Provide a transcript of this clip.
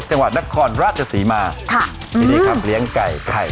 จังหวัดนักคลหลาดจะสีมาค่ะอือที่นี่ครับเลี้ยงไก่ไข่